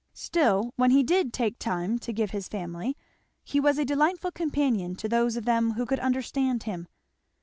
Still when he did take time to give his family he was a delightful companion to those of them who could understand him.